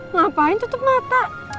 ngapain tutup mata